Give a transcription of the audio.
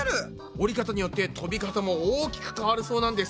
折り方によって飛び方も大きく変わるそうなんです。